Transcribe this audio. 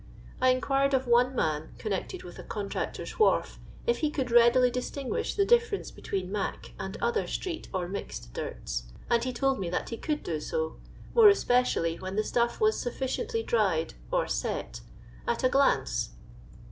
I inquired of one man, connected with a con tractor's wharf, if he could readily distinguish the difference between "mac" and other street or mixed dirts, and he told me that he could do so, more especially when the stuff was sufficiently dried or spt, at a glance.